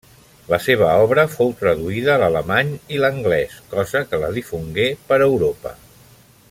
La seva obra fou traduïda a l'alemany i l'anglès, cosa que la difongué per Europa.